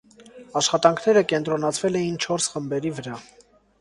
Աշխատանքները կենտրոնացվել էին չորս խմբերի վրա։